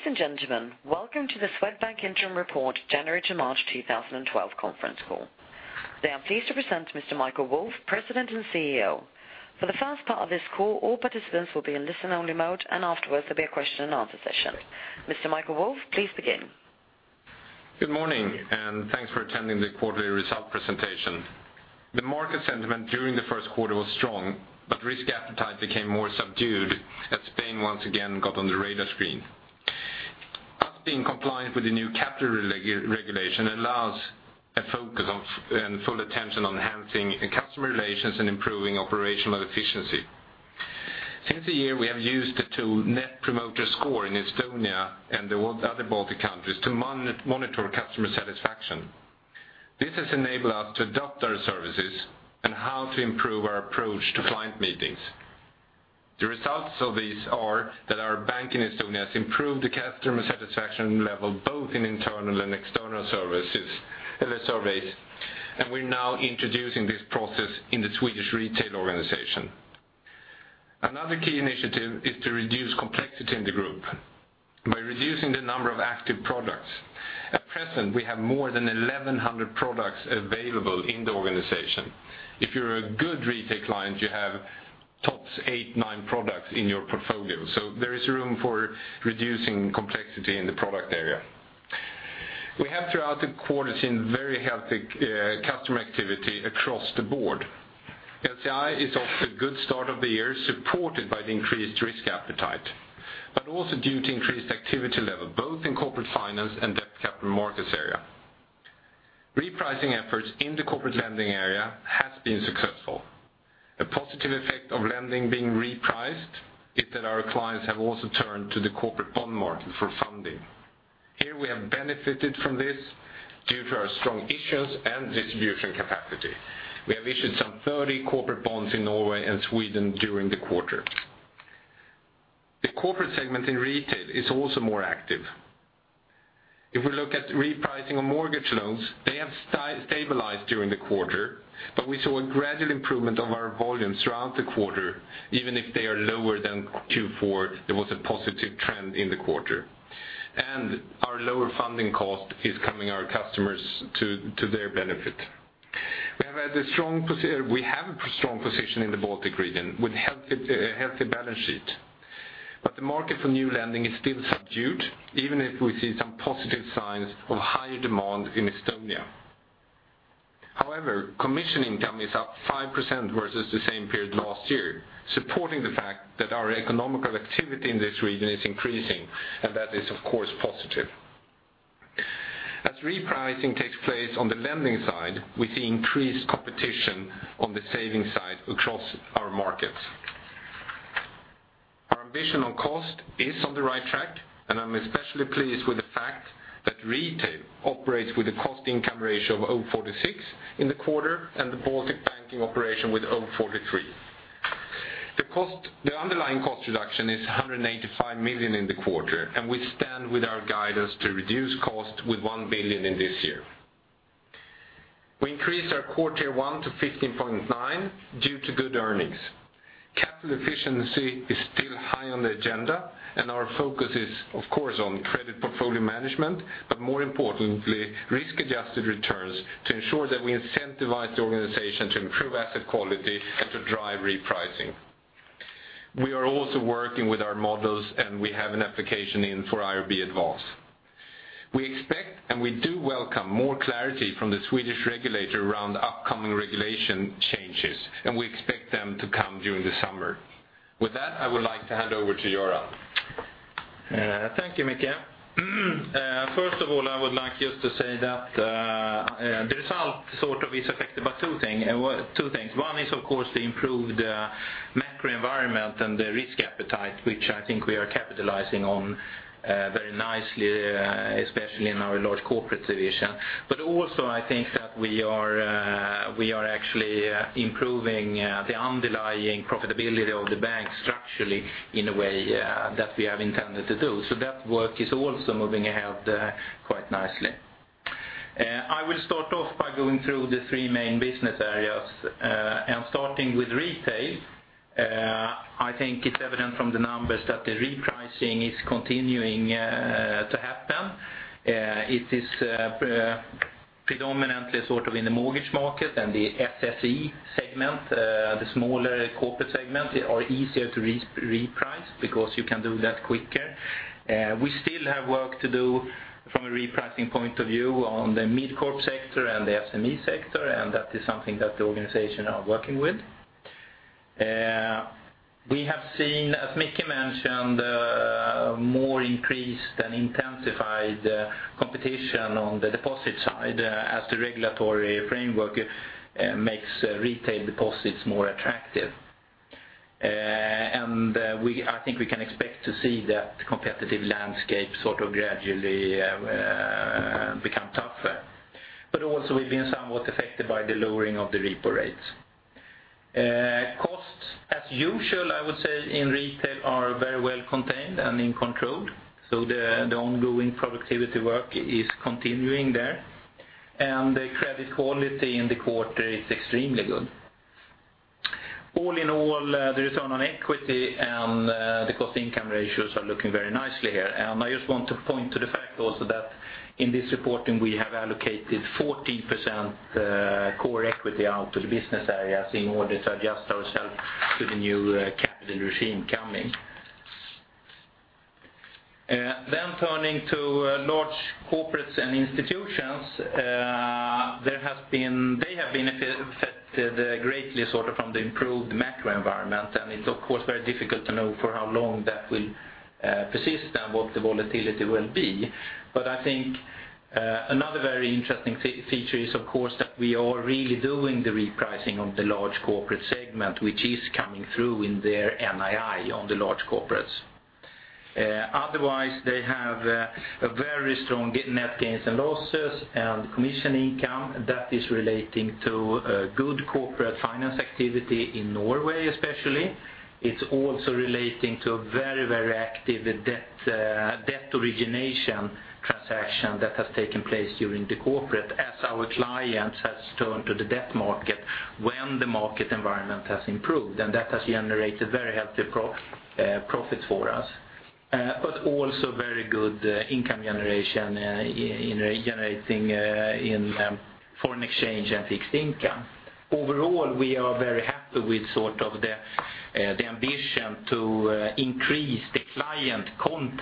Ladies and gentlemen, welcome to the Swedbank Interim Report, January to March 2012 Conference Call. I am pleased to present Mr. Michael Wolf, President and CEO. For the first part of this call, all participants will be in listen-only mode, and afterwards, there'll be a Q&A session. Mr. Michael Wolf, please begin. Good morning, and thanks for attending the quarterly result presentation. The market sentiment during the Q1 was strong, but risk appetite became more subdued as Spain once again got on the radar screen. Our being compliant with the new capital regulation allows a focus and full attention on enhancing customer relations and improving operational efficiency. Since the year, we have used the tool Net Promoter Score in Estonia and the other Baltic countries to monitor customer satisfaction. This has enabled us to adapt our services and how to improve our approach to client meetings. The results of these are that our bank in Estonia has improved the customer satisfaction level, both in internal and external services, in the surveys, and we're now introducing this process in the Swedish retail organization. Another key initiative is to reduce complexity in the group by reducing the number of active products. At present, we have more than 1,100 products available in the organization. If you're a good retail client, you have tops eight, nine products in your portfolio, so there is room for reducing complexity in the product area. We have throughout the quarter seen very healthy customer activity across the board. LCI is off to a good start of the year, supported by the increased risk appetite, but also due to increased activity level, both in corporate finance and debt capital markets area. Repricing efforts in the corporate lending area has been successful. A positive effect of lending being repriced is that our clients have also turned to the corporate bond market for funding. Here we have benefited from this due to our strong issues and distribution capacity. We have issued some 30 corporate bonds in Norway and Sweden during the quarter. The corporate segment in retail is also more active. If we look at repricing of mortgage loans, they have stabilized during the quarter, but we saw a gradual improvement of our volumes throughout the quarter, even if they are lower than Q4, there was a positive trend in the quarter. Our lower funding cost is coming to our customers' benefit. We have had a strong position in the Baltic region with a healthy balance sheet. The market for new lending is still subdued, even if we see some positive signs of higher demand in Estonia. However, commission income is up 5% versus the same period last year, supporting the fact that our economic activity in this region is increasing, and that is, of course, positive. As repricing takes place on the lending side, we see increased competition on the saving side across our markets. Our ambition on cost is on the right track, and I'm especially pleased with the fact that retail operates with a cost-income ratio of 0.46 in the quarter and the Baltic banking operation with 0.43. The cost, the underlying cost reduction is 185 million in the quarter, and we stand with our guidance to reduce cost with 1 billion in this year. We increased our Q1 to 15.9 due to good earnings. Capital efficiency is still high on the agenda, and our focus is, of course, on credit portfolio management, but more importantly, risk-adjusted returns to ensure that we incentivize the organization to improve asset quality and to drive repricing. We are also working with our models, and we have an application in for IRB Advanced. We expect, and we do welcome more clarity from the Swedish regulator around the upcoming regulation changes, and we expect them to come during the summer. With that, I would like to hand over to Göran. Thank you, Michael. First of all, I would like just to say that the result sort of is affected by two things. One is, of course, the improved macro environment and the risk appetite, which I think we are capitalizing on very nicely, especially in our large corporate division. But also, I think that we are actually improving the underlying profitability of the bank structurally in a way that we have intended to do. So that work is also moving ahead quite nicely. I will start off by going through the three main business areas and starting with retail. I think it's evident from the numbers that the repricing is continuing to happen. It is predominantly sort of in the mortgage market and the SSE segment, the smaller corporate segment are easier to reprice because you can do that quicker. We still have work to do from a repricing point of view on the mid-corp sector and the SME sector, and that is something that the organization are working with. We have seen, as Michael mentioned, more increased and intensified competition on the deposit side as the regulatory framework makes retail deposits more attractive. And we, I think we can expect to see that competitive landscape sort of gradually become tougher. But also, we've been somewhat affected by the lowering of the repo rates. Costs, as usual, I would say, in retail are very well contained and in control, so the ongoing productivity work is continuing there, and the credit quality in the quarter is extremely good. All in all, the return on equity and the cost income ratios are looking very nicely here. And I just want to point to the fact also that in this reporting, we have allocated 14% core equity out to the business areas in order to adjust ourselves to the new capital regime coming. Then turning to large corporates and institutions, there has been, they have been affected greatly, sort of, from the improved macro environment, and it's, of course, very difficult to know for how long that will persist and what the volatility will be. But I think, another very interesting feature is, of course, that we are really doing the repricing of the large corporate segment, which is coming through in their NII on the large corporates. Otherwise, they have a very strong net gains and losses and commission income that is relating to a good corporate finance activity in Norway, especially. It's also relating to a very, very active debt origination transaction that has taken place during the corporate, as our clients has turned to the debt market when the market environment has improved, and that has generated very healthy profits for us. But also very good income generation in foreign exchange and fixed income. Overall, we are very happy with sort of the, the ambition to increase the client content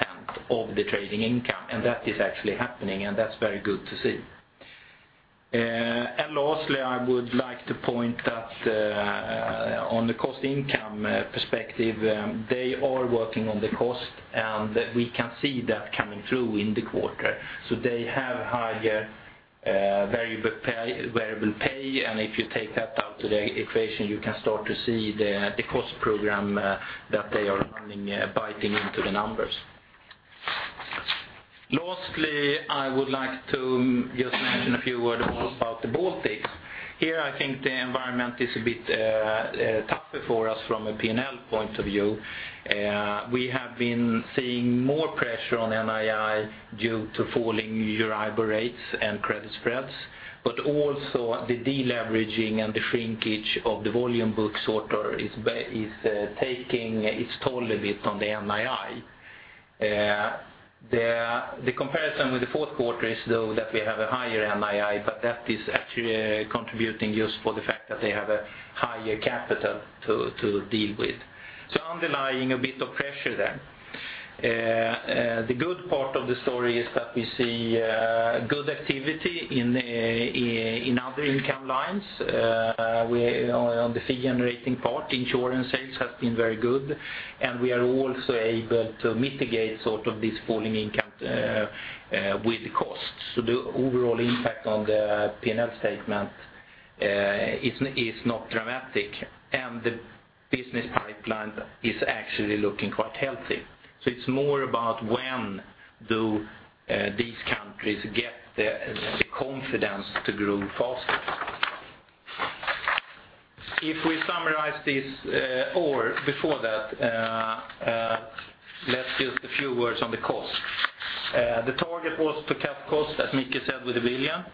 of the trading income, and that is actually happening, and that's very good to see. And lastly, I would like to point that, on the cost income perspective, they are working on the cost, and we can see that coming through in the quarter. So they have higher, variable pay, variable pay, and if you take that out to the equation, you can start to see the, the cost program, that they are running, biting into the numbers. Lastly, I would like to just mention a few words about the Baltics. Here, I think the environment is a bit, tougher for us from a P&L point of view. We have been seeing more pressure on NII due to falling Euribor rates and credit spreads, but also the deleveraging and the shrinkage of the volume book sort of is taking its toll a bit on the NII. The comparison with the Q4 is, though, that we have a higher NII, but that is actually contributing just for the fact that they have a higher capital to deal with. So underlying a bit of pressure there. The good part of the story is that we see good activity in other income lines on the fee generating part, insurance sales has been very good, and we are also able to mitigate sort of this falling income with the costs. So the overall impact on the P&L statement is not dramatic, and the business pipeline is actually looking quite healthy. So it's more about when do these countries get the confidence to grow faster? If we summarize this, or before that, let's just a few words on the cost. The target was to cut costs, as Mickey said, with 1 billion.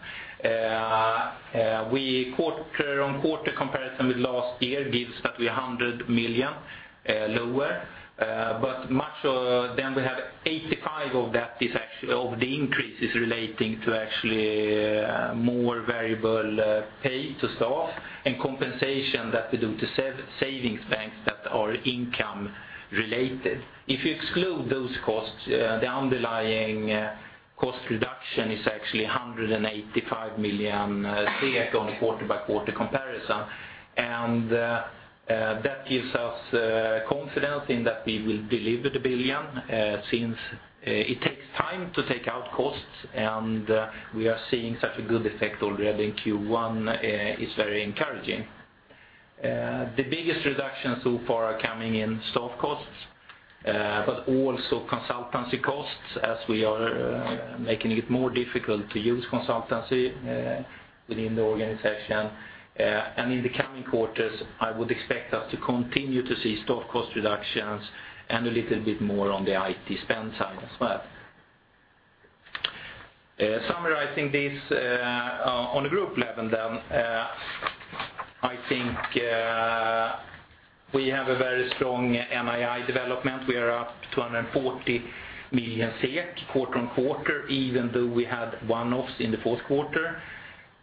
We quarter-on-quarter comparison with last year gives that we are 100 million lower, but much, then we have 85 of that is actually, of the increase is relating to actually more variable pay to staff and compensation that we do to savings banks that are income related. If you exclude those costs, the underlying cost reduction is actually 185 million on a quarter-by-quarter comparison. That gives us confidence in that we will deliver the 1 billion, since it takes time to take out costs, and we are seeing such a good effect already in Q1 is very encouraging. The biggest reductions so far are coming in staff costs, but also consultancy costs, as we are making it more difficult to use consultancy within the organization. In the coming quarters, I would expect us to continue to see staff cost reductions and a little bit more on the IT spend side as well. Summarizing this, on a group level then, I think we have a very strong NII development. We are up to 240 million SEK, quarter on quarter, even though we had one-offs in the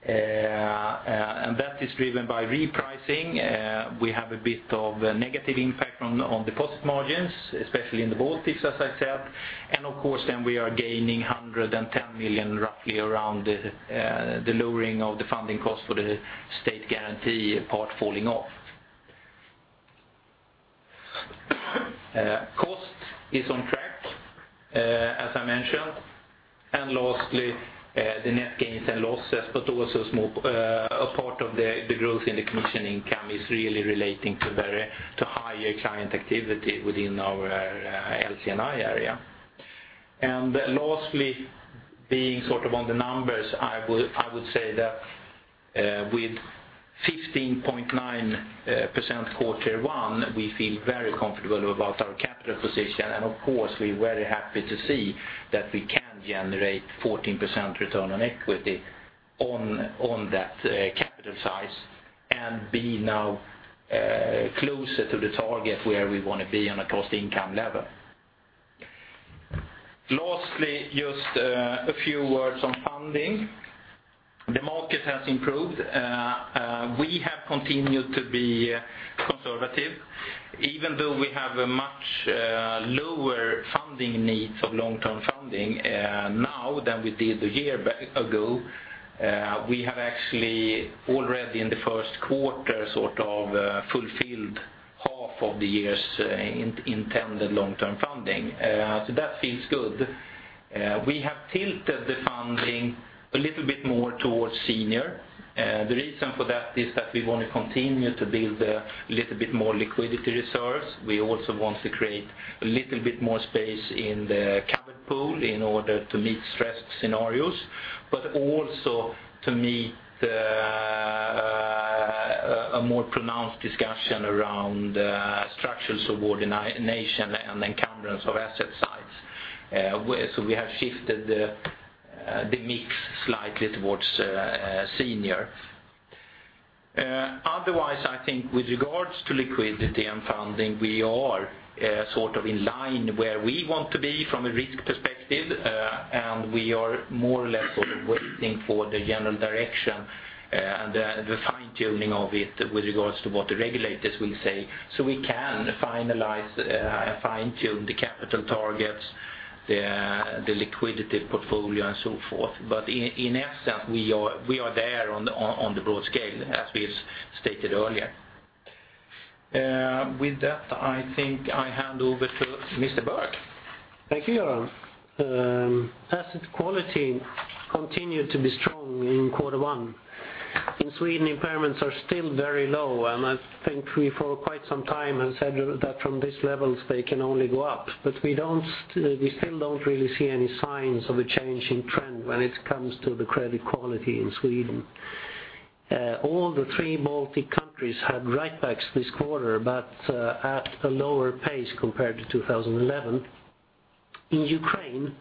Q4. That is driven by repricing. We have a bit of a negative impact on the cost margins, especially in the Baltics, as I said. And of course, then we are gaining 110 million, roughly around the lowering of the funding cost for the state guarantee part falling off. Cost is on track, as I mentioned. And lastly, the net gains and losses, but also small, a part of the growth in the commission income is really relating to higher client activity within our LC&I area. And lastly, being sort of on the numbers, I would say that with 15.9% Q1, we feel very comfortable about our capital position. And of course, we're very happy to see that we can generate 14% return on equity. On that capital size and we now closer to the target where we want to be on a cost income level. Lastly, just a few words on funding. The market has improved. We have continued to be conservative, even though we have a much lower funding needs of long-term funding now than we did a year ago. We have actually already in the Q1 sort of fulfilled half of the year's intended long-term funding. So that feels good. We have tilted the funding a little bit more towards senior. The reason for that is that we want to continue to build a little bit more liquidity resource. We also want to create a little bit more space in the covered pool in order to meet stressed scenarios, but also to meet a more pronounced discussion around structural subordination and encumbrance of asset sides. So we have shifted the mix slightly towards senior. Otherwise, I think with regards to liquidity and funding, we are sort of in line where we want to be from a risk perspective, and we are more or less sort of waiting for the general direction and the fine-tuning of it with regards to what the regulators will say. So we can finalize and fine-tune the capital targets, the liquidity portfolio, and so forth. But in essence, we are there on the broad scale, as we stated earlier. With that, I think I hand over to Mr. Berg. Thank you, Göran. Asset quality continued to be strong in Q1. In Sweden, impairments are still very low, and I think we, for quite some time, have said that from these levels, they can only go up. But we don't, we still don't really see any signs of a changing trend when it comes to the credit quality in Sweden. All three Baltic countries had write backs this quarter, but at a lower pace compared to 2011. In Ukraine,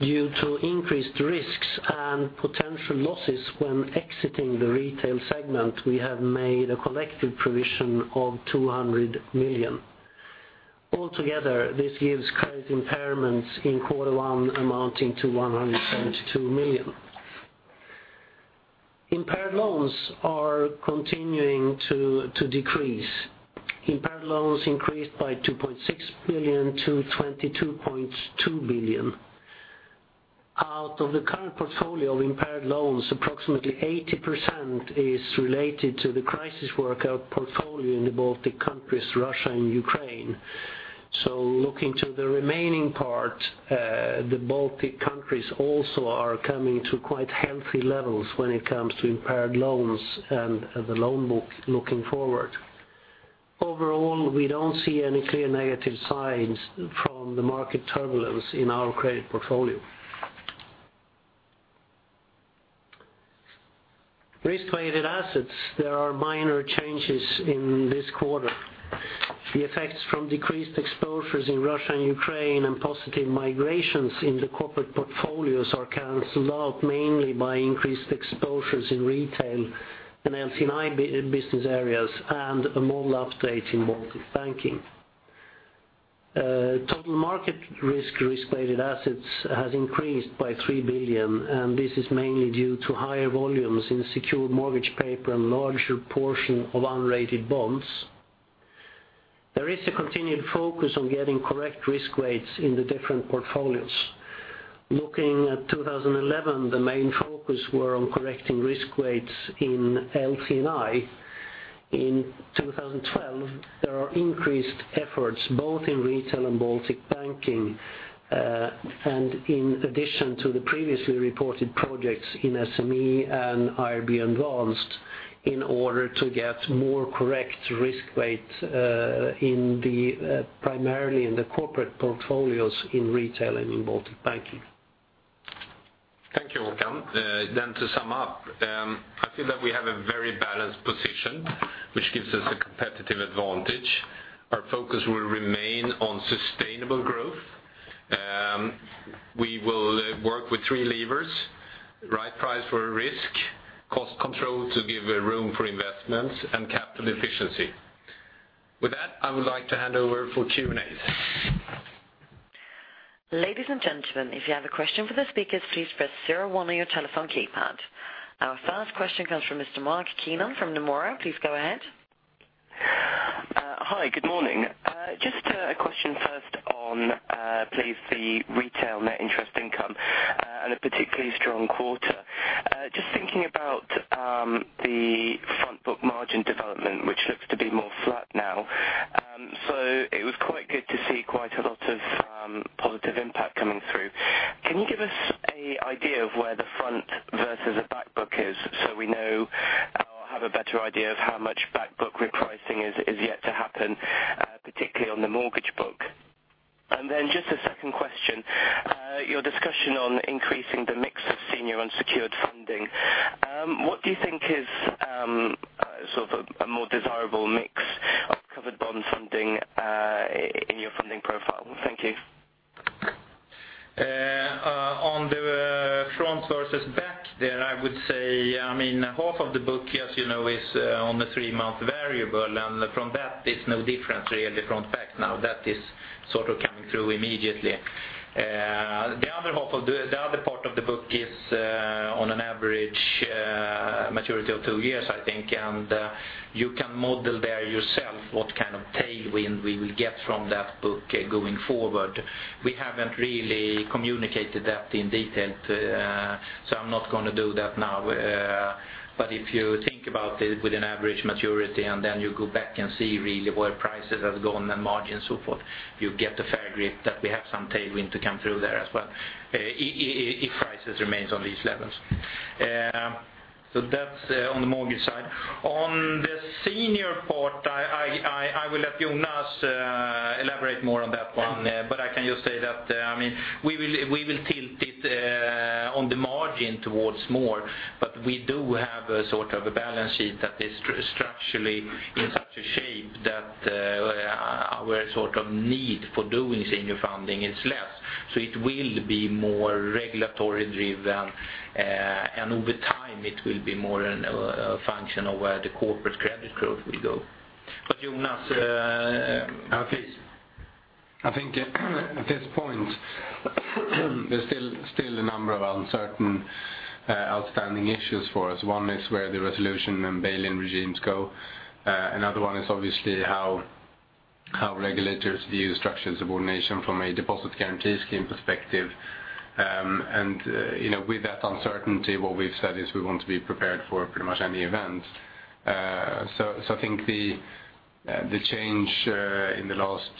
due to increased risks and potential losses when exiting the retail segment, we have made a collective provision of 200 million. Altogether, this gives credit impairments in Q1 amounting to 172 million. Impaired loans are continuing to decrease. Impaired loans increased by 2.6 billion to 22.2 billion. Out of the current portfolio of impaired loans, approximately 80% is related to the crisis workout portfolio in the Baltic countries, Russia, and Ukraine. So looking to the remaining part, the Baltic countries also are coming to quite healthy levels when it comes to impaired loans and the loan book looking forward. Overall, we don't see any clear negative signs from the market turbulence in our credit portfolio. Risk-weighted assets, there are minor changes in this quarter. The effects from decreased exposures in Russia and Ukraine, and positive migrations in the corporate portfolios are canceled out, mainly by increased exposures in retail and LC&I business areas, and a model update in Baltic Banking. Total market risk risk-weighted assets has increased by 3 billion, and this is mainly due to higher volumes in secured mortgage paper and larger portion of unrated bonds. There is a continued focus on getting correct risk weights in the different portfolios. Looking at 2011, the main focus were on correcting risk weights in LC&I. In 2012, there are increased efforts, both in retail and Baltic Banking, and in addition to the previously reported projects in SME and IRB Advanced, in order to get more correct risk weights, in the, primarily in the corporate portfolios in retail and in Baltic Banking. Thank you, Håkan. Then to sum up, I feel that we have a very balanced position, which gives us a competitive advantage. Our focus will remain on sustainable growth. We will work with three levers, right price for a risk, cost control to give room for investments, and capital efficiency. With that, I would like to hand over for Q&A. Ladies and gentlemen, if you have a question for the speakers, please press zero one on your telephone keypad. Our first question comes from Mr. Mark Keenan from Nomura. Please go ahead. Hi, good morning. Just a question first on, please, the retail net interest income, and a particularly strong quarter. Just thinking about the front book margin development, which looks to be more flat now. So it was quite good to see quite a lot of positive impact coming through. Can you give us an idea of where the front versus the back book is? So we know or have a better idea of how much back book repricing is yet to happen, particularly on the mortgage book. And then just a second question, your discussion on increasing the mix of senior unsecured funding. What do you think is sort of a more desirable mix of covered bonds and. Thank you. On the front versus back there, I would say, I mean, half of the book, as you know, is on the three-month variable, and from that, it's no different really from back now. That is sort of coming through immediately. The other half of the book, the other part of the book, is on an average maturity of two years, I think, and you can model there yourself what kind of tailwind we will get from that book going forward. We haven't really communicated that in detail, so I'm not gonna do that now. But if you think about it with an average maturity, and then you go back and see really where prices have gone and margins, so forth, you get a fair grip that we have some tailwind to come through there as well, if prices remains on these levels. So that's on the mortgage side. On the senior part, I will let Jonas elaborate more on that one. But I can just say that, I mean, we will, we will tilt it on the margin towards more, but we do have a sort of a balance sheet that is structurally in such a shape that our sort of need for doing senior funding is less. So it will be more regulatory driven, and over time, it will be more of a function of where the corporate credit growth will go. But Jonas, I think at this point, there's still a number of uncertain outstanding issues for us. One is where the resolution and bail-in regimes go. Another one is obviously how regulators view structured subordination from a deposit guarantee scheme perspective. And, you know, with that uncertainty, what we've said is we want to be prepared for pretty much any event. So I think the change in the last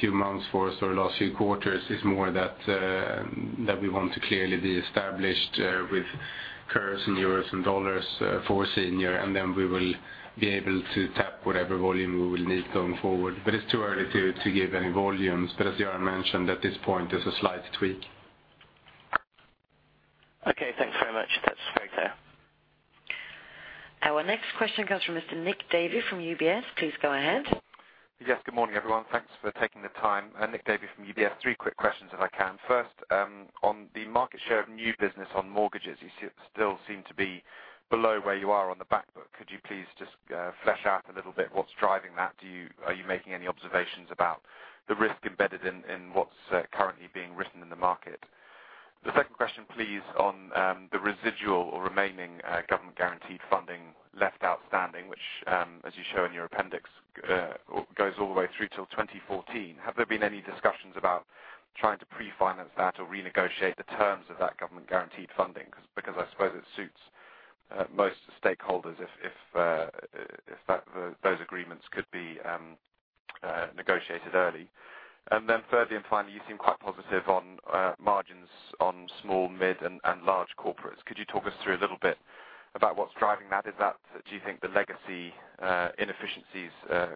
few months for us or last few quarters is more that that we want to clearly be established with curves in euros and dollars for senior, and then we will be able to tap whatever volume we will need going forward. But it's too early to give any volumes. But as Göran mentioned, at this point, there's a slight tweak. Okay, thanks very much. That's fair there. Our next question comes from Mr. Nick Davey from UBS. Please go ahead. Yes, good morning, everyone. Thanks for taking the time. Nick Davey from UBS. Three quick questions, if I can. First, on the market share of new business on mortgages, you still seem to be below where you are on the back book. Could you please just flesh out a little bit what's driving that? Do you? Are you making any observations about the risk embedded in what's currently being written in the market? The second question, please, on the residual or remaining government guaranteed funding left outstanding, which as you show in your appendix goes all the way through till 2014. Have there been any discussions about trying to prefinance that or renegotiate the terms of that government guaranteed funding? Because I suppose it suits most stakeholders if those agreements could be negotiated early. And then thirdly, and finally, you seem quite positive on margins on small, mid, and large corporates. Could you talk us through a little bit about what's driving that? Is that, do you think the legacy inefficiencies,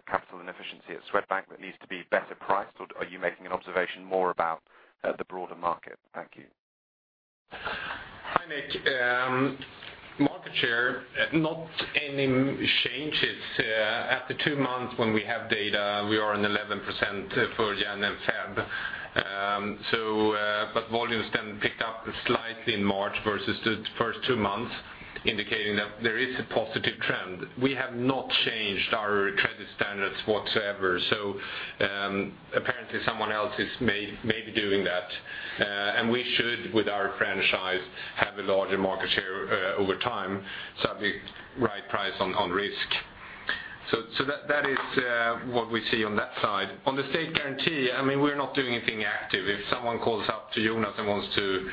capital inefficiency at Swedbank that needs to be better priced, or are you making an observation more about the broader market? Thank you. Hi, Nick. Market share, not any changes. After two months, when we have data, we are on 11% for January and February. So, but volumes then picked up slightly in March versus the first two months, indicating that there is a positive trend. We have not changed our credit standards whatsoever, so, apparently someone else is maybe doing that, and we should, with our franchise, have a larger market share, over time, so have the right price on, on risk. So, that, that is, what we see on that side. On the state guarantee, I mean, we're not doing anything active. If someone calls up to Jonas and wants to,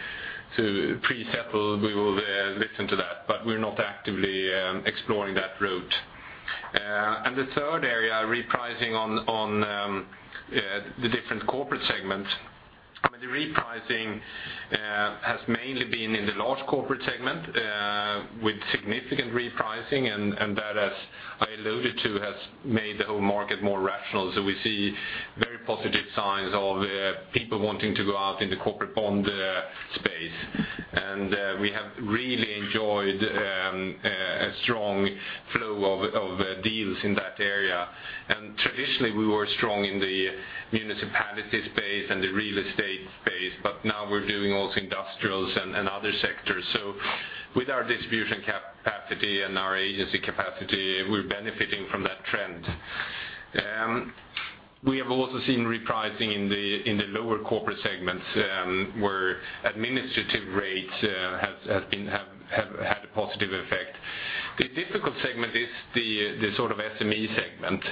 to pre-settle, we will, listen to that, but we're not actively, exploring that route. And the third area, repricing on the different corporate segments. I mean, the repricing has mainly been in the large corporate segment with significant repricing, and, and that, as I alluded to, has made the whole market more rational. So we see very positive signs of people wanting to go out in the corporate bond space. And we have really enjoyed a strong flow of deals in that area. And traditionally, we were strong in the municipality space and the real estate space, but now we're doing also industrials and, and other sectors. So with our distribution capacity and our agency capacity, we're benefiting from that trend. We have also seen repricing in the lower corporate segments, where administrative rates has had a positive effect. The difficult segment is the sort of SME segment,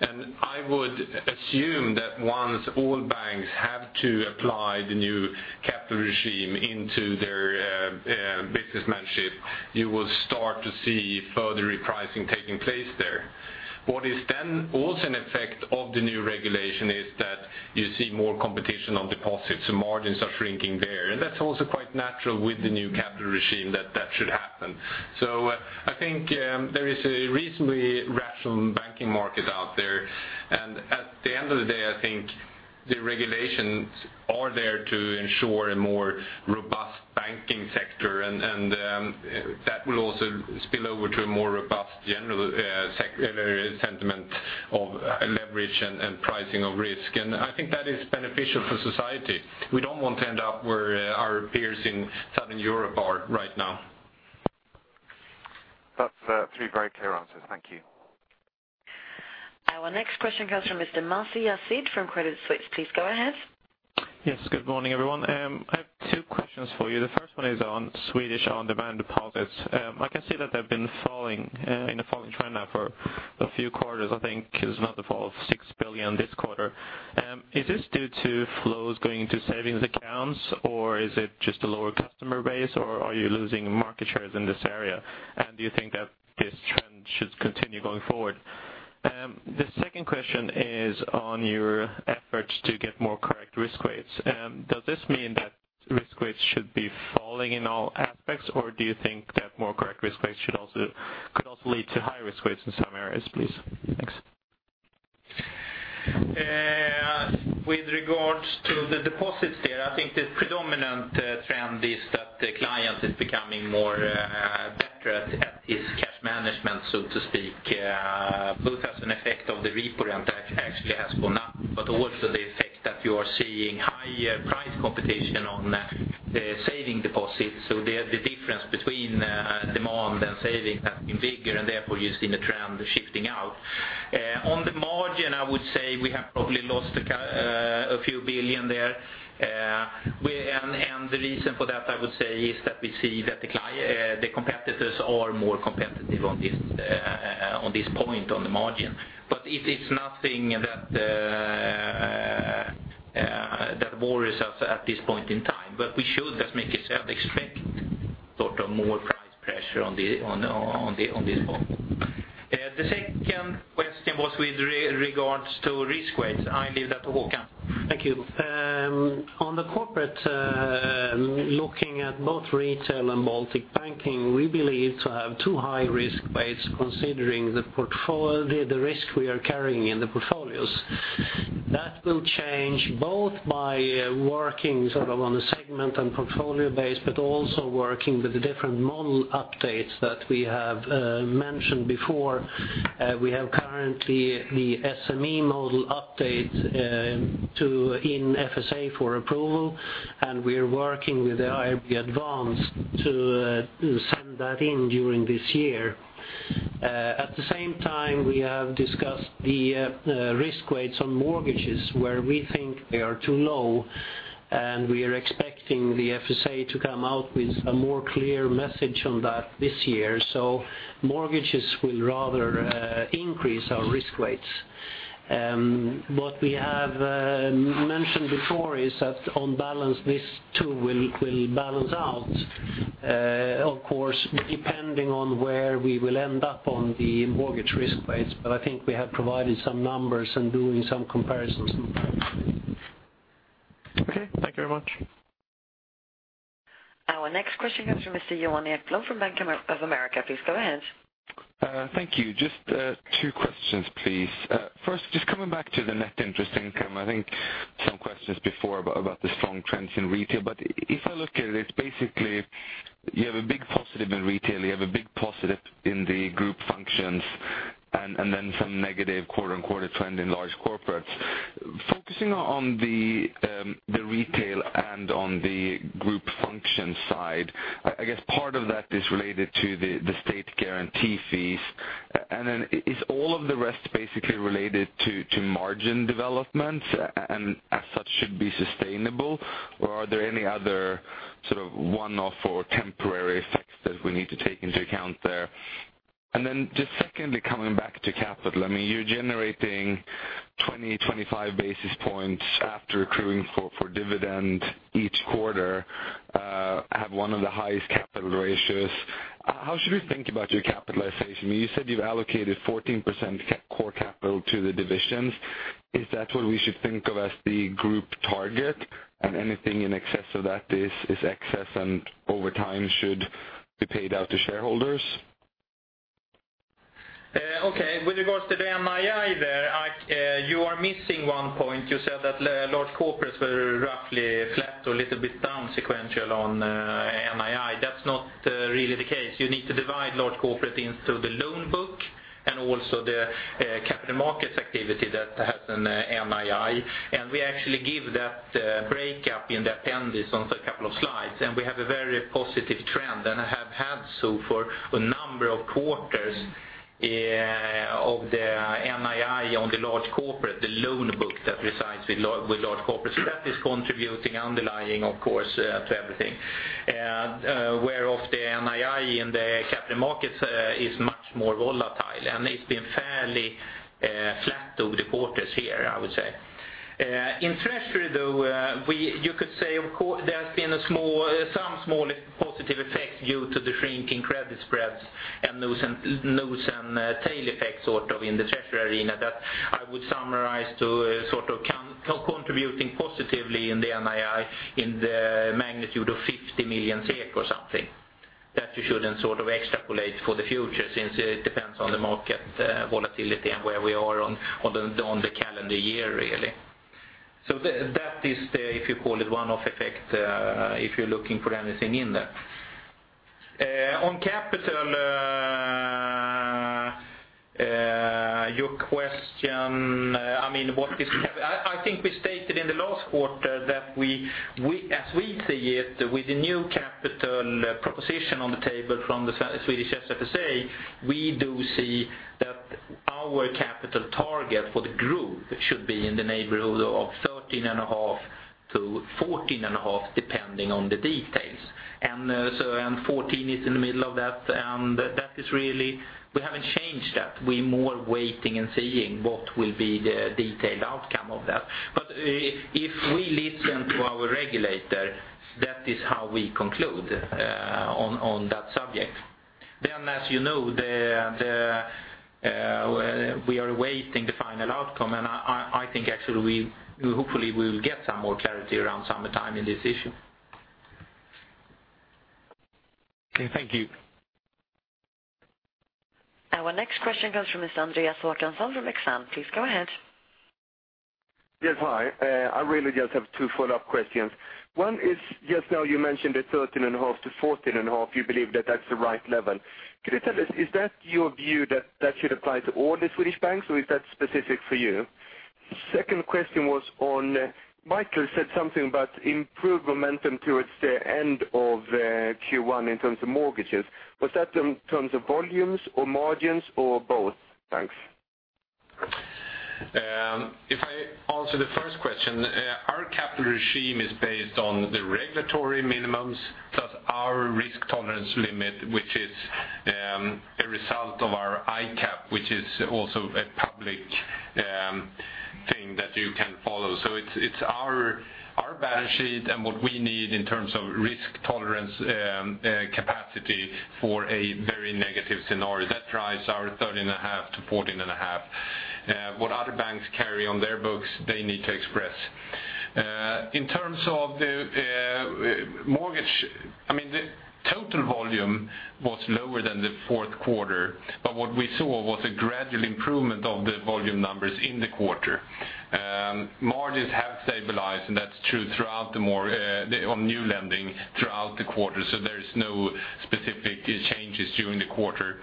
and I would assume that once all banks have to apply the new capital regime into their businessmanship, you will start to see further repricing taking place there. What is then also an effect of the new regulation is that you see more competition on deposits, so margins are shrinking there, and that's also quite natural with the new capital regime that should happen. So I think there is a reasonably rational banking market out there, and at the end of the day, I think the regulation are there to ensure a more robust banking sector, that will also spill over to a more robust general sentiment of leverage and pricing of risk. I think that is beneficial for society. We don't want to end up where our peers in Southern Europe are right now. That's three very clear answers. Thank you. Our next question comes from Mr. Masih Yazdi from Credit Suisse. Please go ahead. Yes, good morning, everyone. I have two questions for you. The first one is on Swedish on-demand deposits. I can see that they've been falling, in a falling trend now for a few quarters. I think it's another fall of 6 billion this quarter. Is this due to flows going into savings accounts, or is it just a lower customer base, or are you losing market shares in this area? And do you think that this trend should continue going forward? The second question is on your efforts to get more correct risk weights. Does this mean that risk weights should be falling in all aspects, or do you think that more correct risk weights should also, could also lead to higher risk weights in some areas, please? Thanks. With regards to the deposits there, I think the predominant trend is that the client is becoming more better at his cash management, so to speak, both as an effect of the repo rate that actually has gone up, but also the effect that you are seeing higher price competition on the saving deposits. So the difference between demand and saving has been bigger, and therefore, you've seen the trend shifting out. On the margin, I would say we have probably lost a few billion SEK there. And the reason for that, I would say, is that we see that the competitors are more competitive on this point, on the margin. But it is nothing that worries us at this point in time. But we should just make it expected, sort of more price pressure on this one. The second question was with regards to risk weights. I leave that to Håkan. Thank you. On the corporate, looking at both retail and Baltic banking, we believe to have too high risk weights considering the risk we are carrying in the portfolios. That will change both by working sort of on a segment and portfolio base, but also working with the different model updates that we have mentioned before. We have currently the SME model update in FSA for approval, and we are working with the IRB Advanced to send that in during this year. At the same time, we have discussed the risk weights on mortgages, where we think they are too low, and we are expecting the FSA to come out with a more clear message on that this year. So mortgages will rather increase our risk weights. What we have mentioned before is that on balance, this too will balance out, of course, depending on where we will end up on the mortgage risk weights. But I think we have provided some numbers and doing some comparisons. Okay, thank you very much. Our next question comes from Mr. Johan Ekblom from Bank of America. Please go ahead. Thank you. Just two questions, please. First, just coming back to the Net Interest Income, I think some questions before about the strong trends in retail. But if I look at it, it's basically you have a big positive in retail, you have a big positive in the Group Functions, and then some negative quarter-on-quarter trend in large corporates. Focusing on the retail and on the Group Functions side, I guess part of that is related to the state guarantee fees. And then is all of the rest basically related to margin developments, and as such, should be sustainable? Or are there any other sort of one-off or temporary effects that we need to take into account there? Then just secondly, coming back to capital, I mean, you're generating 20 to 25 basis points after accruing for dividend each quarter, have one of the highest capital ratios. How should we think about your capitalization? You said you've allocated 14% core capital to the divisions. Is that what we should think of as the group target, and anything in excess of that is excess and over time should be paid out to shareholders? Okay. With regards to the NII there, you are missing one point. You said that large corporates were roughly flat or a little bit down sequential on NII. That's not really the case. You need to divide large corporate into the loan book and also the capital markets activity that has an NII. And we actually give that breakup in the appendix on a couple of slides, and we have a very positive trend, and have had so for a number of quarters of the NII on the large corporate, the loan book that resides with large corporates. That is contributing, underlying, of course, to everything. And where of the NII in the capital markets is much more volatile, and it's been fairly flat over the quarters here, I would say. In Treasury, though, you could say, of course, there's been a small, some small positive effect due to the shrinking credit spreads and loosen tail effects, sort of, in the treasury arena that I would summarize to sort of contributing positively in the NII in the magnitude of 50 million SEK or something that you shouldn't sort of extrapolate for the future, since it depends on the market, volatility and where we are on the calendar year, really. So that is the, if you call it one-off effect, if you're looking for anything in there. On capital, your question, I mean, I think we stated in the last quarter that we, as we see it, with the new capital proposition on the table from the Swedish SFSA, we do see that our capital target for the group should be in the neighborhood of 13.5 to 14.5, depending on the details. And so, and 14 is in the middle of that, and that is really, we haven't changed that. We're more waiting and seeing what will be the detailed outcome of that. But, if we listen to our regulator, that is how we conclude on that subject. Then, as you know, we are awaiting the final outcome, and I think actually we hopefully will get some more clarity around summertime in this issue. Okay, thank you. Our next question comes from Mr. Andreas Håkansson from Exane. Please go ahead. Yes, hi. I really just have two follow-up questions. One is, just now you mentioned the 13.5 to 14.5, you believe that that's the right level. Can you tell us, is that your view that that should apply to all the Swedish banks, or is that specific for you? Second question was on, Michael said something about improved momentum towards the end of Q1 in terms of mortgages. Was that in terms of volumes or margins or both? Thanks. If I answer the first question, our capital regime is based on the regulatory minimums, plus our risk tolerance limit, which is a result of our ICAAP, which is also a public thing that you can follow. So it's our balance sheet and what we need in terms of risk tolerance capacity for a very negative scenario. That drives our 13.5 to 14.5. What other banks carry on their books, they need to express. In terms of the mortgage, I mean, the total volume was lower than the Q4, but what we saw was a gradual improvement of the volume numbers in the quarter. Margins have stabilized, and that's true throughout the more on new lending throughout the quarter, so there is no specific changes during the quarter.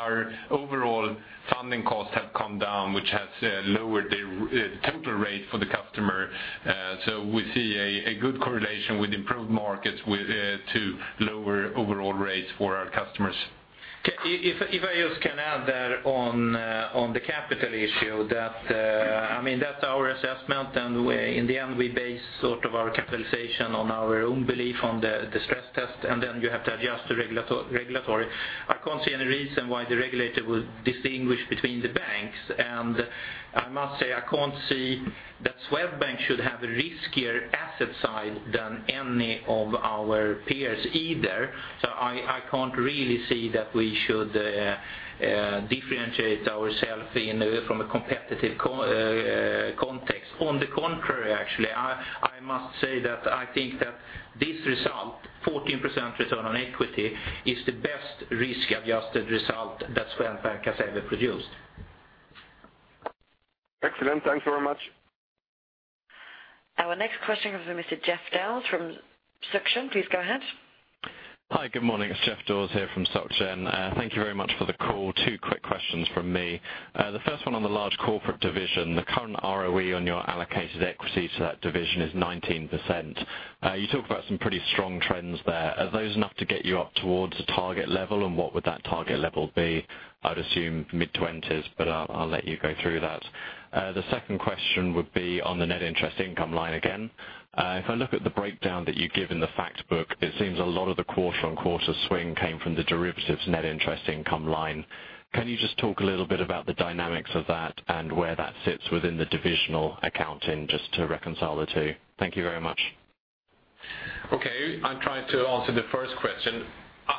Our overall funding costs have come down, which has lowered the total rate for the customer. So we see a good correlation with improved markets to lower overall rates for our customers. If I just can add there on the capital issue, that, I mean, that's our assessment, and in the end, we base sort of our capitalization on our own belief on the stress test, and then you have to adjust to regulatory. I can't see any reason why the regulator would distinguish between the banks. And I must say, I can't see that Swedbank should have a riskier asset side than any of our peers either. So I can't really see that we should differentiate ourselves in from a competitive context. On the contrary, actually, I must say that I think that this result, 14% return on equity, is the best risk-adjusted result that Swedbank has ever produced. Excellent. Thanks very much. Our next question comes from Mr. Jeff Dawes from Sucden. Please go ahead. Hi, good morning. It's Jeff Dawes here from Sucden. Thank you very much for the call. Two quick questions from me. The first one on the large corporate division, the current ROE on your allocated equity to that division is 19%. You talk about some pretty strong trends there. Are those enough to get you up towards the target level, and what would that target level be? I'd assume mid-twenties, but I'll, I'll let you go through that. The second question would be on the net interest income line again. If I look at the breakdown that you give in the Factbook, it seems a lot of the quarter-on-quarter swing came from the derivatives net interest income line. Can you just talk a little bit about the dynamics of that and where that sits within the divisional accounting, just to reconcile the two? Thank you very much. Okay. I'll try to answer the first question.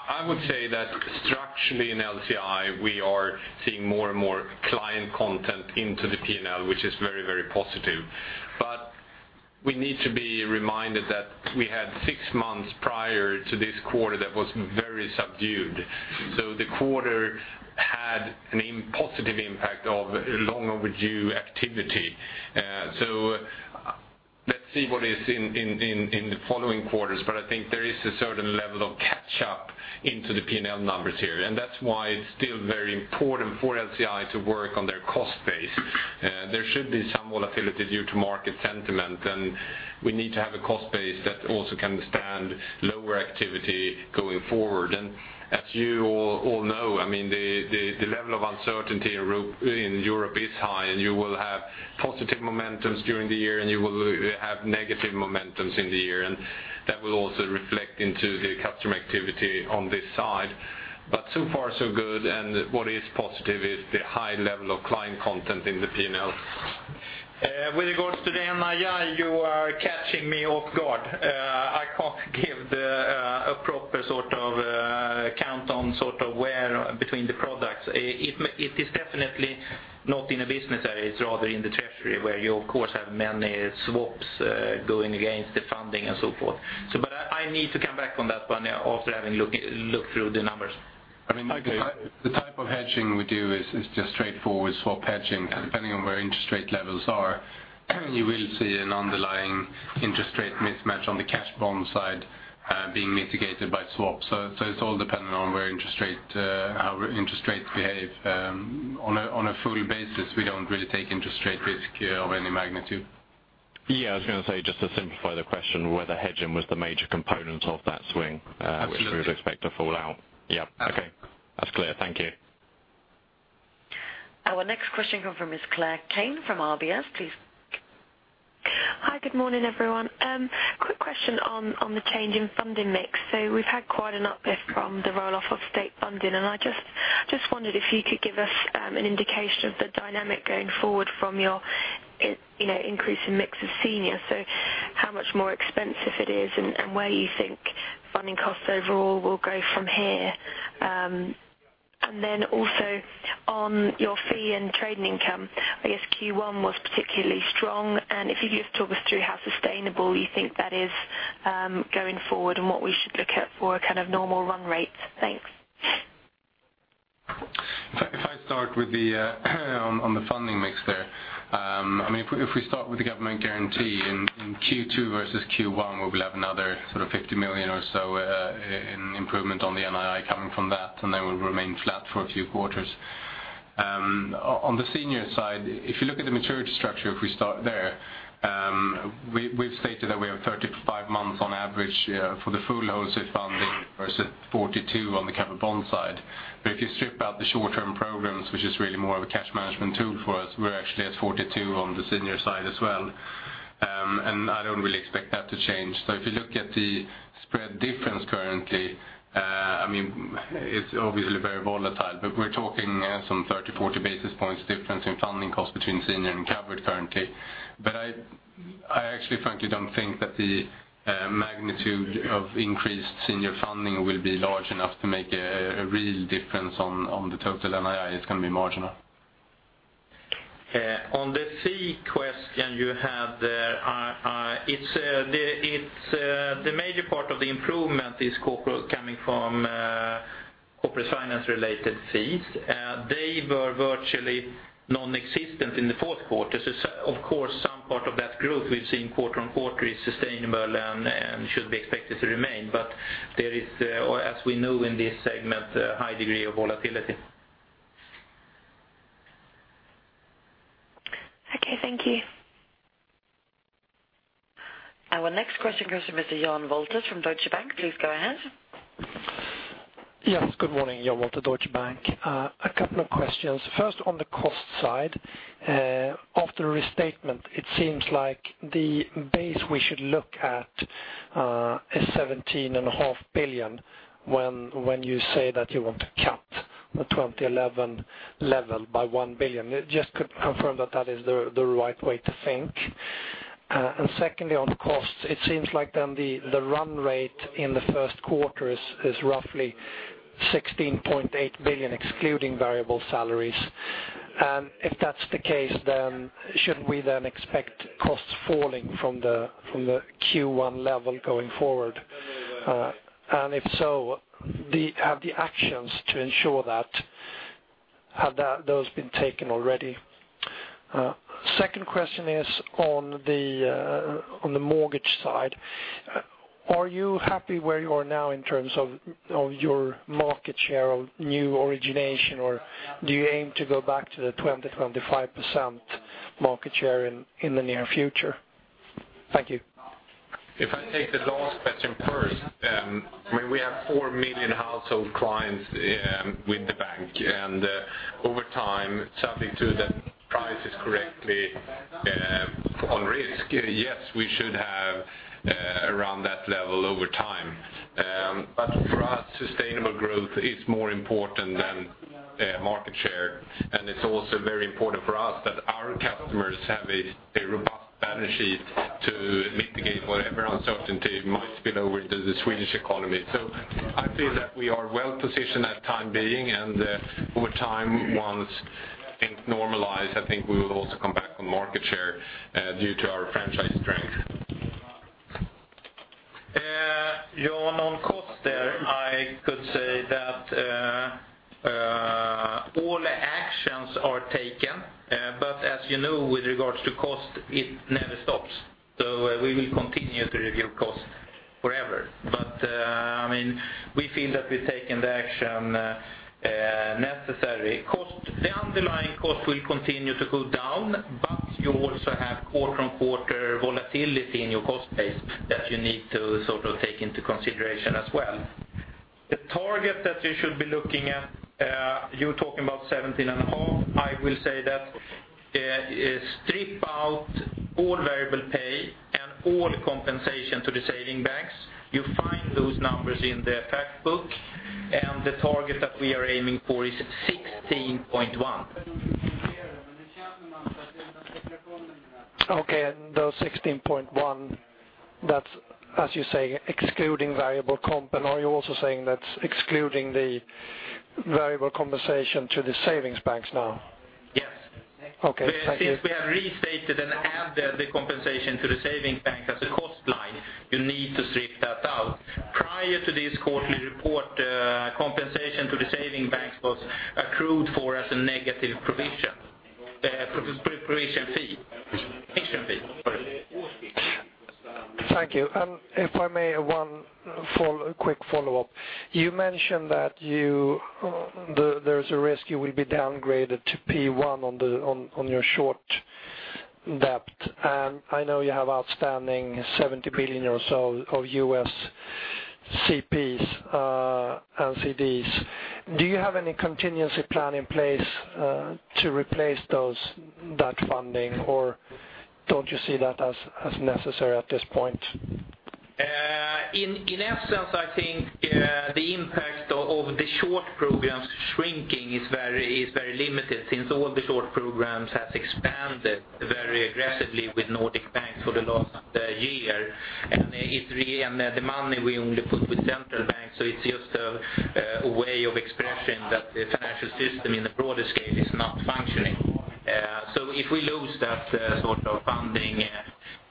I would say that structurally in LCI, we are seeing more and more client content into the P&L, which is very, very positive. But we need to be reminded that we had six months prior to this quarter that was very subdued. So the quarter had an important positive impact of long overdue activity. So let's see what is in the following quarters, but I think there is a certain level of catch up into the P&L numbers here, and that's why it's still very important for LCI to work on their cost base. There should be some volatility due to market sentiment, and we need to have a cost base that also can stand lower activity going forward. As you all know, I mean, the level of uncertainty in Europe is high, and you will have positive momentums during the year, and you will have negative momentums in the year, and that will also reflect into the customer activity on this side. But so far so good, and what is positive is the high level of client content in the P&L. With regards to the NII, you are catching me off guard. I can't give a proper sort of count on sort of where between the products. It is definitely not in a business area. It's rather in the treasury, where you, of course, have many swaps going against the funding and so forth. So but I need to come back on that one after having looked through the numbers. I mean, the type of hedging we do is just straightforward swap hedging, and depending on where interest rate levels are, you will see an underlying interest rate mismatch on the cash bond side being mitigated by swaps. So it's all dependent on where interest rate how interest rates behave. On a full basis, we don't really take interest rate risk of any magnitude. Yeah, I was gonna say, just to simplify the question, whether hedging was the major component of that swing Absolutely. which we would expect to fall out. Yep, okay. That's clear. Thank you. Our next question come from Ms. Claire Kane from RBS, please. Hi, good morning, everyone. Quick question on the change in funding mix. So we've had quite an uplift from the roll-off of state funding, and I just wondered if you could give us an indication of the dynamic going forward from your, you know, increase in mix of senior. So how much more expensive it is, and where you think funding costs overall will go from here? And then also on your fee and trading income, I guess Q1 was particularly strong. And if you could just talk us through how sustainable you think that is, going forward, and what we should look out for a kind of normal run rate. Thanks. If I start with the funding mix there. I mean, if we start with the government guarantee in Q2 versus Q1, we will have another sort of 50 million or so in improvement on the NII coming from that, and they will remain flat for a few quarters. On the senior side, if you look at the maturity structure, if we start there, we've stated that we have 35 months on average for the full wholesale funding versus 42 on the covered bond side. But if you strip out the short-term programs, which is really more of a cash management tool for us, we're actually at 42 on the senior side as well. And I don't really expect that to change. So if you look at the spread difference currently, I mean, it's obviously very volatile, but we're talking some 30 to 40 basis points difference in funding costs between senior and covered currently. But I actually, frankly, don't think that the magnitude of increased senior funding will be large enough to make a real difference on the total NII. It's gonna be marginal. On the fee question you had there, it's the major part of the improvement is corporate coming from corporate finance related fees. They were virtually non-existent in the Q4. So of course, some part of that growth we've seen quarter-over-quarter is sustainable and should be expected to remain. But there is, as we know in this segment, a high degree of volatility. Okay, thank you. Our next question comes from Mr. Jan Wolter from Deutsche Bank. Please go ahead. Yes, good morning. Jan Wolter, Deutsche Bank. A couple of questions. First, on the cost side, after restatement, it seems like the base we should look at is 17.5 billion, when you say that you want to cut the 2011 level by 1 billion. Just could confirm that that is the right way to think? And secondly, on costs, it seems like then the run rate in the Q1 is roughly 16.8 billion, excluding variable salaries. And if that's the case, then should we then expect costs falling from the Q1 level going forward? And if so, have the actions to ensure that those been taken already? Second question is on the mortgage side. Are you happy where you are now in terms of your market share of new origination, or do you aim to go back to the 20% to 25% market share in the near future? Thank you. If I take the last question first, I mean, we have four million household clients with the bank. Over time, subject to the prices correctly on risk, yes, we should have around that level over time. For us, sustainable growth is more important than market share. It's also very important for us that our customers have a robust balance sheet to mitigate whatever uncertainty might spill over into the Swedish economy. I feel that we are well positioned at the time being, and over time, once things normalize, I think we will also come back on market share due to our franchise strength. Jan, on cost there, I could say that all actions are taken, but as you know, with regards to cost, it never stops. So we will continue to review costs forever. But I mean, we feel that we've taken the action necessary. The underlying cost will continue to go down, but you also have quarter on quarter volatility in your cost base that you need to sort of take into consideration as well. The target that you should be looking at, you're talking about 17.5. I will say that, strip out all variable pay and all compensation to the savings banks. You find those numbers in the fact book, and the target that we are aiming for is 16.1. Okay, and the 16.1, that's, as you say, excluding variable comp. Are you also saying that's excluding the variable compensation to the savings banks now? Yes. Okay, since we have restated and added the compensation to the savings bank as a cost line, you need to strip that out. Prior to this quarterly report, compensation to the savings banks was accrued for as a negative provision, provision fee, sorry. Thank you. And if I may, one follow, quick follow-up. You mentioned that you, there's a risk you will be downgraded to P1 on your short debt. And I know you have outstanding $70 billion or so of U.S. CPs and CDs. Do you have any contingency plan in place to replace those, that funding? Or don't you see that as necessary at this point? In essence, I think, the impact of the short programs shrinking is very limited, since all the short programs has expanded very aggressively with Nordic banks for the last year. And the money we only put with central banks, so it's just a way of expressing that the financial system in the broader scale is not functioning. So if we lose that sort of funding,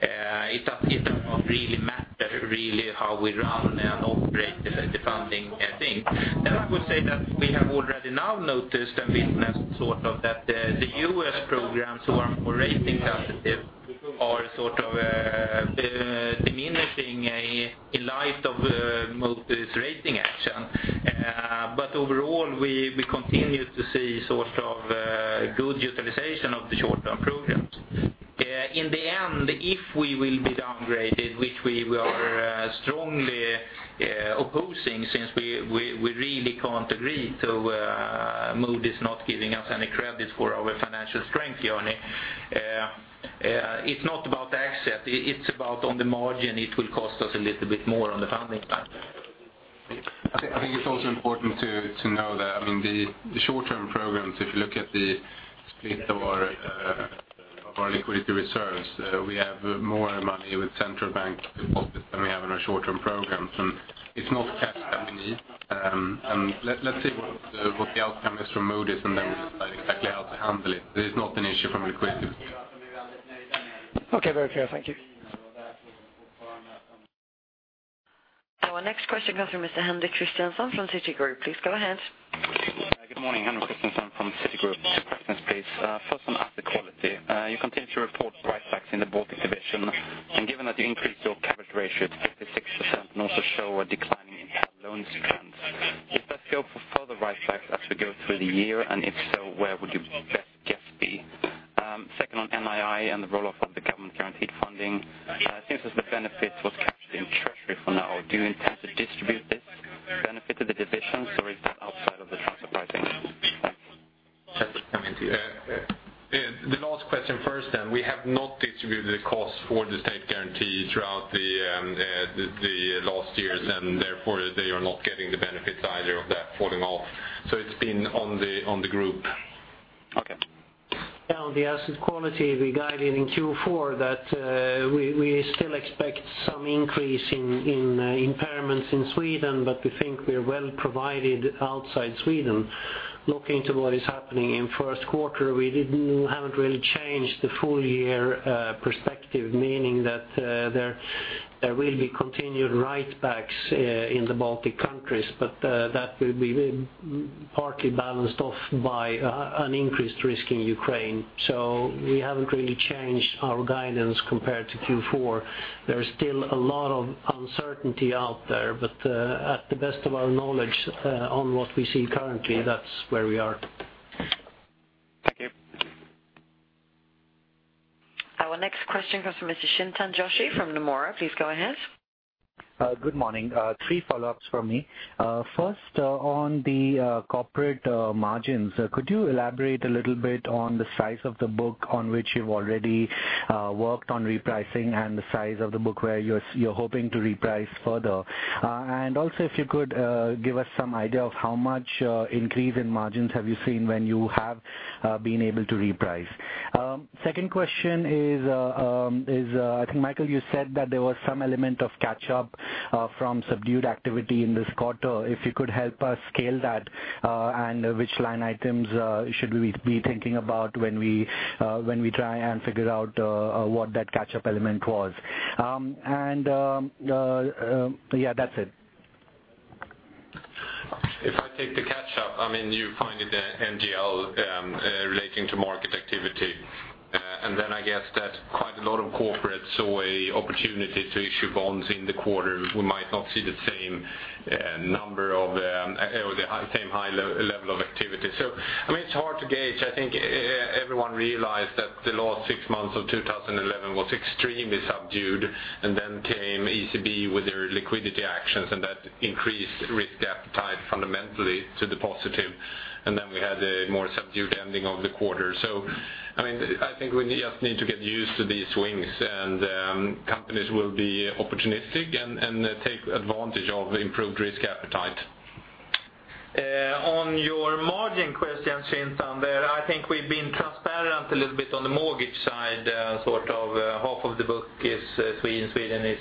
it does not really matter, really, how we run and operate the funding thing. Then I would say that we have already now noticed and witnessed sort of that the U.S. programs who are more rating sensitive are sort of diminishing in light of Moody's rating action. But overall, we continue to see sort of good utilization of the short-term programs. In the end, if we will be downgraded, which we are strongly opposing, since we really can't agree to Moody's not giving us any credit for our financial strength journey. It's not about the asset, it's about on the margin, it will cost us a little bit more on the funding side. I think it's also important to know that, I mean, the short-term programs, if you look at the split of our liquidity reserves, we have more money with central bank deposits than we have in our short-term programs. And it's not cash that we need. And let's see what the outcome is from Moody's, and then we decide exactly how to handle it. It's not an issue from liquidity. Okay, very clear. Thank you. Our next question comes from Mr. Henrik Christiansson from Citigroup. Please go ahead. Good morning, Henrik Christiansson from Citigroup. Two questions, please. First on asset quality. You continue to report write-backs in the Baltic division, and given that you increased your coverage ratio to 56% and also show a decline in loans trends, does that go for further write-backs as we go through the year? And if so, where would your best guess be? Second, on NII and the roll-off of the government-guaranteed funding, since the benefit was captured in treasury for now, do you intend to distribute this benefit to the divisions, or is that outside of the price range? Thanks. Just coming to you. The last question first, then. We have not distributed the cost for the state guarantee throughout the last years, and therefore they are not getting the benefits either of that falling off. So it's been on the group. Okay. Yeah, on the asset quality, we guided in Q4 that we still expect some increase in impairments in Sweden, but we think we are well provided outside Sweden. Looking to what is happening in Q1, we haven't really changed the full year perspective, meaning that there will be continued write backs in the Baltic countries, but that will be partly balanced off by an increased risk in Ukraine. So we haven't really changed our guidance compared to Q4. There is still a lot of uncertainty out there, but at the best of our knowledge on what we see currently, that's where we are. Thank you. Our next question comes from Mr. Chintan Joshi from Nomura. Please go ahead. Good morning. Three follow-ups from me. First, on the corporate margins, could you elaborate a little bit on the size of the book on which you've already worked on repricing and the size of the book where you're hoping to reprice further? And also, if you could give us some idea of how much increase in margins have you seen when you have been able to reprice? Second question is, I think, Michael, you said that there was some element of catch up from subdued activity in this quarter. If you could help us scale that, and which line items should we be thinking about when we try and figure out what that catch-up element was? And, yeah, that's it. If I take the catch up, I mean, you find it, the NGL, relating to market activity. And then I guess that quite a lot of corporates saw an opportunity to issue bonds in the quarter. We might not see the same, number of, or the high, same high level of activity. So, I mean, it's hard to gauge. I think everyone realized that the last six months of 2011 was extremely subdued, and then came ECB with their liquidity actions, and that increased risk appetite fundamentally to the positive. And then we had a more subdued ending of the quarter. So, I mean, I think we just need to get used to these swings, and, companies will be opportunistic and, and take advantage of improved risk appetite. On your margin question, Chintan, there, I think we've been transparent a little bit on the mortgage side, sort of half of the book is in Sweden,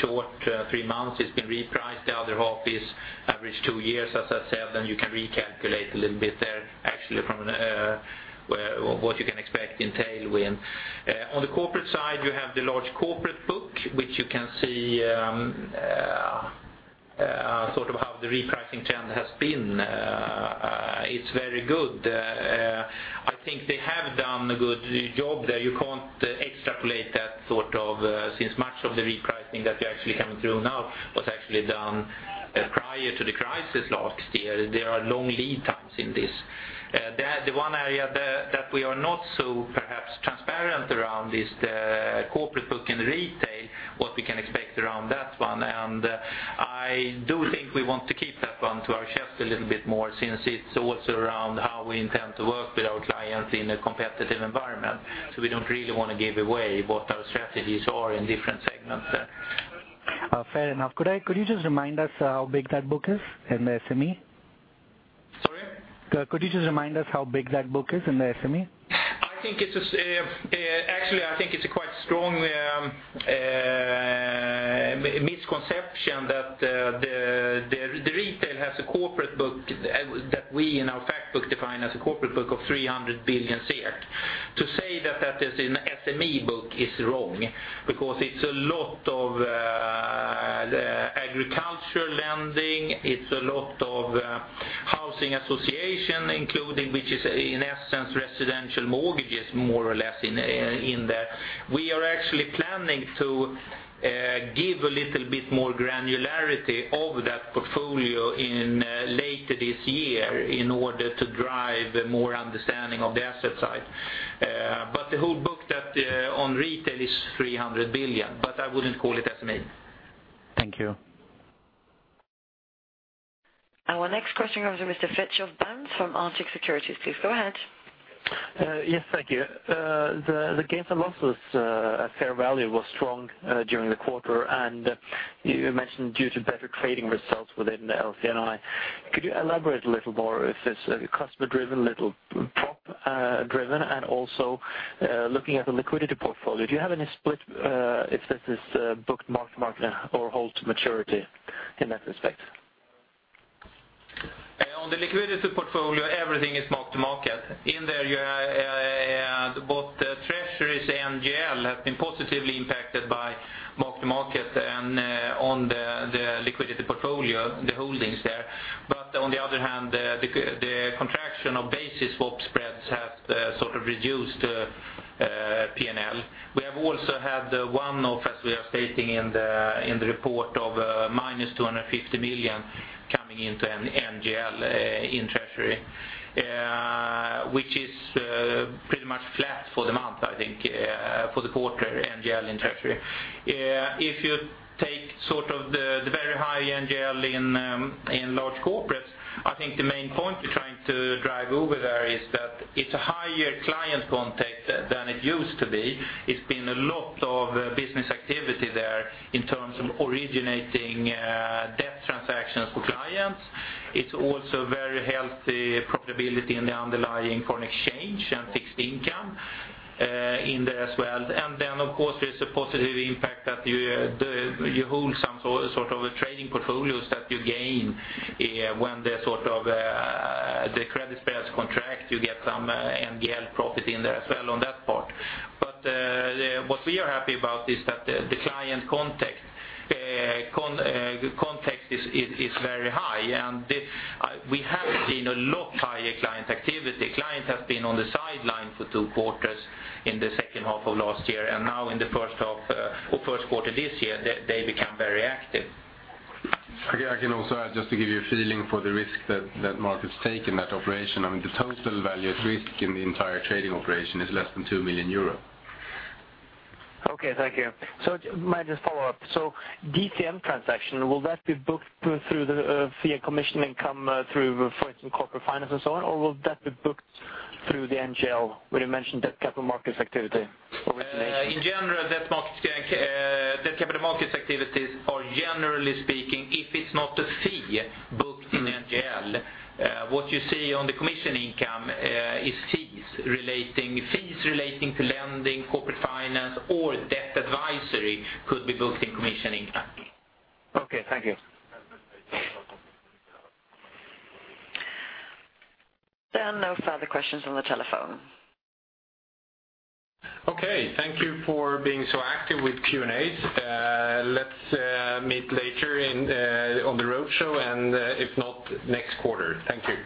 short three months. It's been repriced. The other half is average two years, as I said, then you can recalculate a little bit there, actually from where what you can expect in tailwind. On the corporate side, you have the large corporate book, which you can see, sort of how the repricing trend has been. It's very good. I think they have done a good job there. You can't extrapolate that sort of, since much of the repricing that you're actually coming through now was actually done prior to the crisis last year. There are long lead times in this. The one area that we are not so perhaps transparent around is the corporate book in retail, what we can expect around that one. And I do think we want to keep that one to our chest a little bit more, since it's also around how we intend to work with our clients in a competitive environment. So we don't really want to give away what our strategies are in different segments. Fair enough. Could you just remind us how big that book is in the SME? Sorry? Could you just remind us how big that book is in the SME? I think it's actually, I think it's a quite strong misconception that the retail has a corporate book that we in our fact book define as a corporate book of 300 billion. To say that that is an SME book is wrong, because it's a lot of the agricultural lending, it's a lot of housing association, including, which is in essence, residential mortgages, more or less in there. We are actually planning to give a little bit more granularity of that portfolio in later this year in order to drive more understanding of the asset side. But the whole book that on retail is 300 billion, but I wouldn't call it SME. Thank you. Our next question comes from Mr. Fridtjof Berents from Arctic Securities. Please, go ahead. Yes, thank you. The gains and losses at fair value was strong during the quarter, and you mentioned due to better trading results within the LC&I. Could you elaborate a little more if it's customer driven, liquidity driven, and also looking at the liquidity portfolio, do you have any split if this is booked mark to market or hold to maturity in that respect? On the liquidity portfolio, everything is mark to market. In there, you both Treasuries and NGL have been positively impacted by mark to market and, on the, the liquidity portfolio, the holdings there. But on the other hand, the, the contraction of basis swap spreads has, sort of reduced, P&L. We have also had one of, as we are stating in the, in the report of, -250 million coming into NGL, in treasury, which is, pretty much flat for the month, I think, for the quarter, NGL in treasury. If you take sort of the, the very high NGL in, in large corporates, I think the main point you're trying to drive over there is that it's a higher client context than it used to be. It's been a lot of business activity there in terms of originating debt transactions for clients. It's also very healthy profitability in the underlying foreign exchange and fixed income in there as well. And then, of course, there's a positive impact that you hold some sort of a trading portfolios that you gain when the sort of the credit spreads contract, you get some NGL profit in there as well on that part. But what we are happy about is that the client context is very high, and the... We have seen a lot higher client activity. Clients have been on the sideline for two quarters in the second half of last year, and now in the first half or Q1 this year, they become very active. I can also add, just to give you a feeling for the risk that market's taking, that operation. I mean, the total value at risk in the entire trading operation is less than 2 million euros. Okay, thank you. So, might just follow up. So, DCM transaction, will that be booked through the fee and commission income, through, for instance, corporate finance and so on, or will that be booked through the NGL, when you mentioned that capital markets activity originating? In general, debt market, debt capital markets activities are, generally speaking, if it's not a fee, booked in NGL. What you see on the commission income is fees relating, fees relating to lending, corporate finance, or debt advisory could be booked in commission income. Okay, thank you. There are no further questions on the telephone. Okay, thank you for being so active with Q&A. Let's meet later in on the road show, and if not, next quarter. Thank you.